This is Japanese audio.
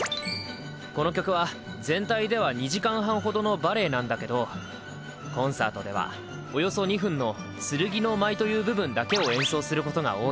この曲は全体では２時間半ほどのバレエなんだけどコンサートではおよそ２分の「剣の舞」という部分だけを演奏することが多い。